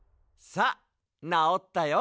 さあなおったよ。